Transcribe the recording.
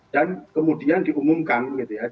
dan kemudian diumumkan